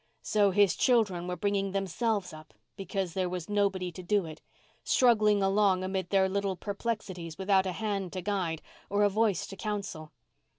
So his children were bringing themselves up because there was "nobody to do it"—struggling along amid their little perplexities without a hand to guide or a voice to counsel.